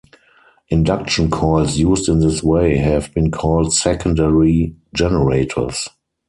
Induction coils used in this way have been called secondary generators.